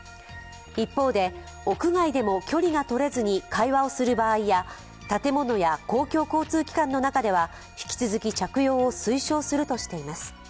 一方で、屋外でも距離がとれずに会話をする場合や建物や公共交通機関の中では引き続き着用を推奨するとしています。